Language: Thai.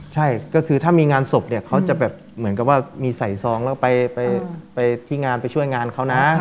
ใช่ก็คือถ้ามีงานศพเนี่ยเขาจะแบบเหมือนกับว่ามีใส่ซองแล้วไปที่งานไปช่วยงานเขานะ